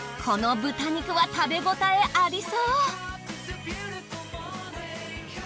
この豚肉は食べ応えありそう。